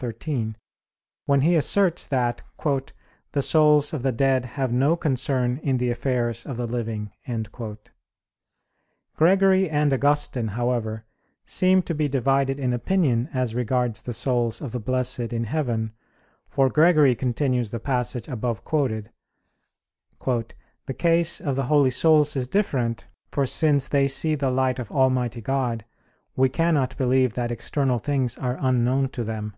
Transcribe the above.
xiii), when he asserts that, "the souls of the dead have no concern in the affairs of the living." Gregory and Augustine, however, seem to be divided in opinion as regards the souls of the blessed in heaven, for Gregory continues the passage above quoted: "The case of the holy souls is different, for since they see the light of Almighty God, we cannot believe that external things are unknown to them."